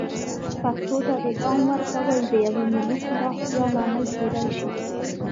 پښتو ته د پام ورکول د یوې ملي پراختیا لامل کیدای شي.